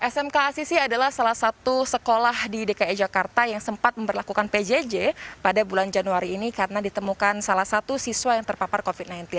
smk asisi adalah salah satu sekolah di dki jakarta yang sempat memperlakukan pjj pada bulan januari ini karena ditemukan salah satu siswa yang terpapar covid sembilan belas